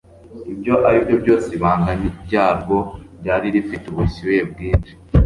Ibyo ari byo byose ibanga ryarwo ryari rifite ubushyuhe bwinshi